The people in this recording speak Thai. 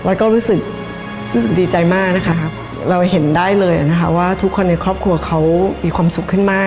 แล้วก็รู้สึกดีใจมากนะคะเราเห็นได้เลยนะคะว่าทุกคนในครอบครัวเขามีความสุขขึ้นมาก